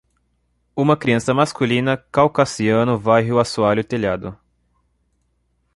Uma criança masculina caucasiano varre o assoalho telhado.